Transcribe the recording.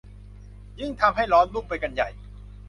ทำให้ยิ่งร้อนรุ่มไปกันใหญ่